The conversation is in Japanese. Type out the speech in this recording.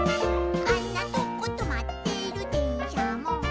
「あんなとことまってるでんしゃも」